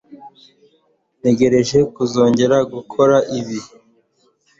Ntegereje kuzongera gukora ibi.